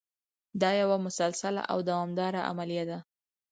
دا یوه مسلسله او دوامداره عملیه ده.